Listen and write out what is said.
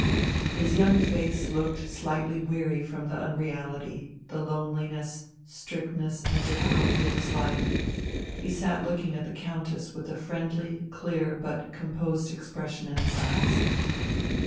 His young face looked slightly weary from the unreality, the loneliness, strictness, and difficulty of his life; he sat looking at the Countess with a friendly, clear, but composed expression in his eyes.